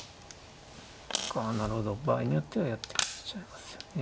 そっかなるほど場合によってはやってきちゃいますよね。